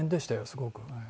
すごく。